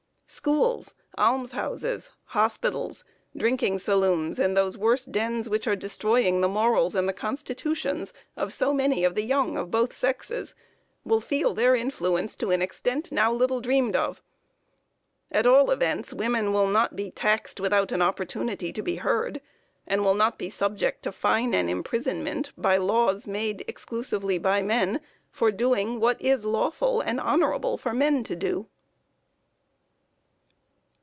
Schools, almshouses, hospitals, drinking saloons, and those worse dens which are destroying the morals and the constitutions of so many of the young of both sexes, will feel their influence to an extent now little dreamed of. At all events women will not be taxed without an opportunity to be heard, and will not be subject to fine and imprisonment by laws made exclusively by men for doing what it is lawful and honorable for men to do.